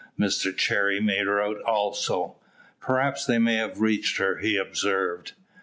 Mr Cherry made her out also: "Perhaps they may have reached her," he observed.